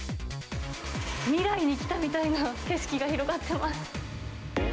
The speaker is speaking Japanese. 未来に来たみたいな景色が広がっています。